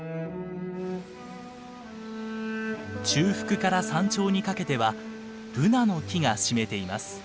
中腹から山頂にかけてはブナの木が占めています。